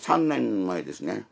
３年前ですね。